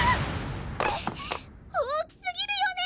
大きすぎるよね？